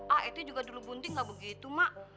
ah itu juga dulu bunting nggak begitu mak